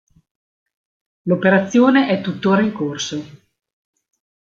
L'operazione è tuttora in corso.